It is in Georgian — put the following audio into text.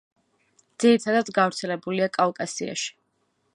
ძირითადად გავრცელებულია კავკასიაში.